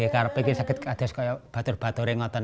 karena sakit kardus saya berusaha mengambil